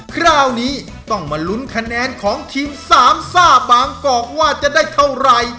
คราวนี้ต้องมาลุ้นคะแนนของทีมสามซ่าบางกอกว่าจะได้เท่าไหร่